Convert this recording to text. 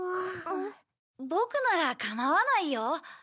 ボクなら構わないよ。